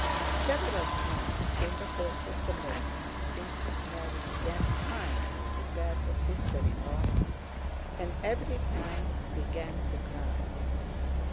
Several times in the course of the morning Princess Mary began trying to prepare her sister in law, and every time began to cry.